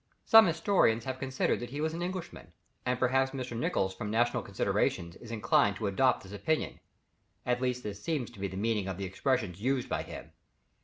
Some historians have considered that he was an Englishman, and perhaps Mr. Nicholls from national considerations is inclined to adopt this opinion; at least this seems to be the meaning of the expressions used by him.